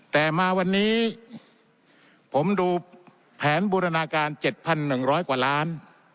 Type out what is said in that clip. แต่มาวันนี้ผมดูแผนบูรณาการเจ็ดพันหนึ่งร้อยกว่าล้าน